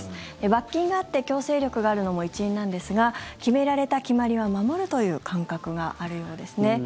罰金があって強制力があるのも一因なんですが決められた決まりは守るという感覚があるようですね。